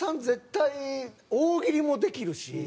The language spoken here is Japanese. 絶対大喜利もできるし。